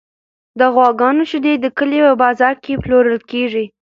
د غواګانو شیدې د کلي په بازار کې پلورل کیږي.